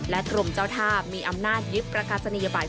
กรมเจ้าท่ามีอำนาจยึดประกาศนียบัตร